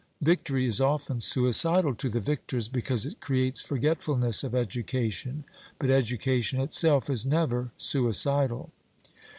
Victory is often suicidal to the victors, because it creates forgetfulness of education, but education itself is never suicidal.